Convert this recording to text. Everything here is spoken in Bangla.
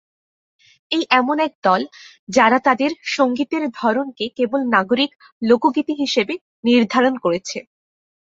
এই এমন এক দল যারা তাদের সঙ্গীতের ধরনকে কেবল নাগরিক লোকগীতি হিসেবে নির্ধারন করেছে।